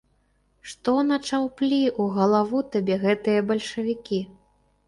Што начаўплі ў галаву табе гэтыя бальшавікі?